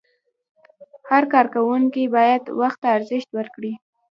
هر کارکوونکی باید وخت ته ارزښت ورکړي.